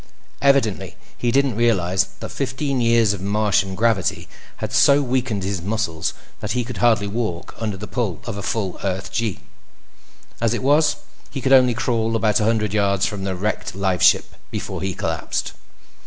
Evidently, he didn't realize that fifteen years of Martian gravity had so weakened his muscles that he could hardly walk under the pull of a full Earth gee. As it was, he could only crawl about a hundred yards from the wrecked lifeship before he collapsed.